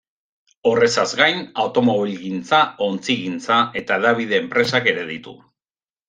Horrezaz gain, automobilgintza, ontzigintza eta hedabide enpresak ere ditu.